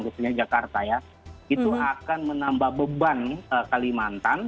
khususnya jakarta ya itu akan menambah beban kalimantan